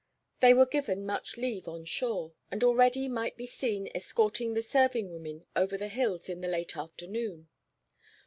They were given much leave on shore, and already might be seen escorting the serving women over the hills in the late afternoon.